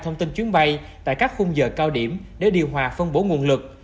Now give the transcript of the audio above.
thông tin chuyến bay tại các khung giờ cao điểm để điều hòa phân bổ nguồn lực